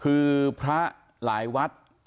คือพระหลายวัด